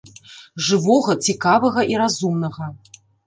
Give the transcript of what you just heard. Жывога, цікавага і разумнага.